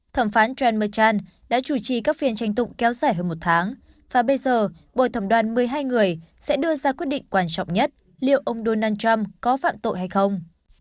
thẩm phán james machan đã chủ trì các phiên tranh tụng kéo dài hơn một tháng và bây giờ bồi thẩm đoàn một mươi hai người sẽ đưa ra quyết định quan trọng nhất liệu ông donald trump có phạm tội hay không